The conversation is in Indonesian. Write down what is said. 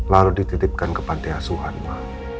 lalu dititipkan ke panti asuhan ma